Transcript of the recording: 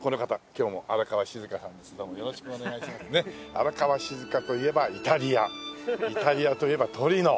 荒川静香といえばイタリアイタリアといえばトリノ。